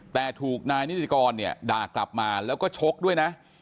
แต่ถูกนายนิติกรเนี่ยด่ากลับมาแล้วก็ชกด้วยนะ